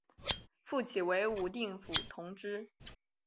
复起为武定府同知。